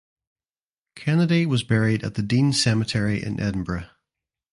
Kennedy was buried at the Dean Cemetery in Edinburgh.